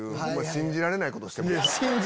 信じられないことない。